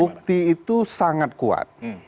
bukti itu sangat kuat